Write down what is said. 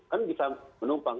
kan bisa menumpang